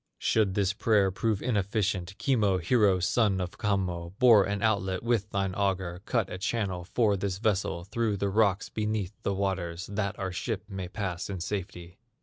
"Should this prayer prove inefficient, Kimmo, hero son of Kammo, Bore an outlet with thine auger, Cut a channel for this vessel Through the rocks beneath the waters, That our ship may pass in safety!